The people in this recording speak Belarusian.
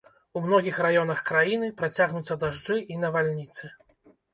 У многіх раёнах краіны працягнуцца дажджы і навальніцы.